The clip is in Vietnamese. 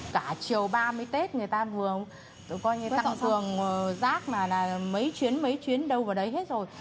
cả chiều ba mươi tết người ta vừa tăng thường rác là mấy chuyến mấy chuyến đâu vào đấy hết rồi